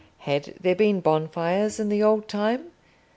Had there been bonfires in the old time?